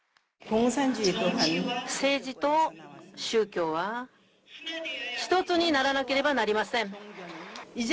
政治と宗教は、一つにならなければなりません。